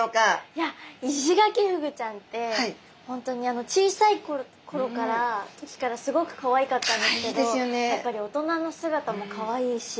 いやイシガキフグちゃんって本当に小さいころからすごくかわいかったんですけどやっぱり大人の姿もかわいいし。